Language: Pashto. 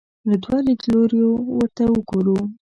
له دوو لیدلوریو ورته وګورو